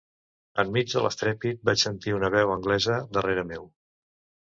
Enmig de l'estrèpit vaig sentir una veu anglesa, darrere meu